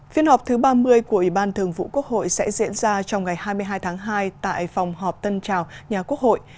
phiên họp thứ ba mươi của ủy ban thường vụ quốc hội sẽ diễn ra trong ngày hai mươi hai tháng hai tại phòng họp tân trào nhà quốc hội